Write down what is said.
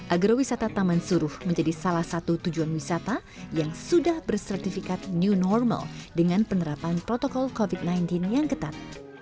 agrowisata taman suruh menjadi salah satu tujuan wisata yang sudah bersertifikat new normal dengan penerapan protokol covid sembilan belas yang ketat